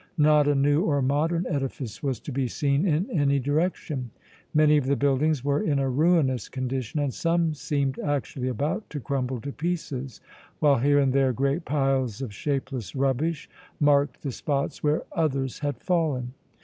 Not a new or modern edifice was to be seen in any direction. Many of the buildings were in a ruinous condition and some seemed actually about to crumble to pieces, while here and there great piles of shapeless rubbish marked the spots where others had fallen.